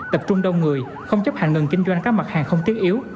tập trung đông người không chấp hành ngừng kinh doanh các mặt hàng không thiết yếu